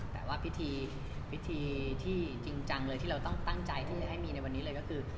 แต่ว่าพิธีพิธีที่จริงจังเลยที่เราต้องตั้งใจที่จะให้มีในวันนี้เลยก็คือ